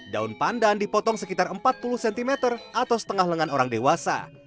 daun pandan dipotong sekitar empat puluh cm atau setengah lengan orang dewasa